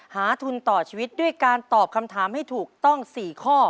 ทุนต่อชีวิตด้วยการตอบคำถามให้ถูกต้อง๔ข้อ